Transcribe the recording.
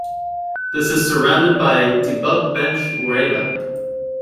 This is surrounded by Debub Bench woreda.